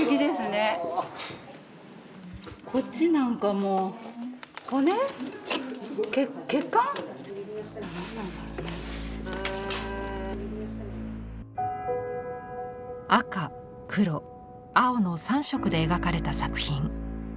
こっちなんかもう赤黒青の３色で描かれた作品。